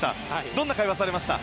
どんな会話されました？